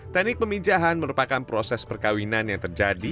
teknik peminjahan merupakan proses perkawinan yang terjadi